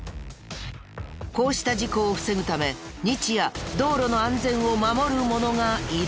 こうした事故を防ぐため日夜道路の安全を守る者がいる。